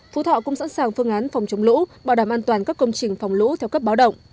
phú thọ cũng sẵn sàng phương án phòng chống lũ bảo đảm an toàn các công trình phòng lũ theo cấp báo động